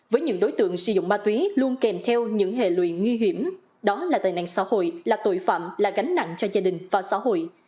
với những đối tượng sử dụng ma túy luôn kèm theo những hệ lụy nguy hiểm đó là tài nạn xã hội là tội phạm là gánh nặng cho gia đình và xã hội